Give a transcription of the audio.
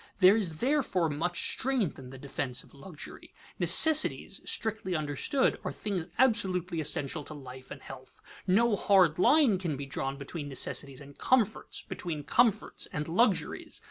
There is therefore much strength in the defense of luxury. Necessities, strictly understood, are things absolutely essential to life and health. No hard line can be drawn between necessities and comforts, between comforts and luxuries.